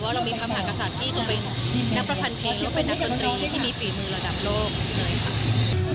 ว่าเรามีคำหากศัตริย์ที่จะเป็นนักประพันธ์เพลง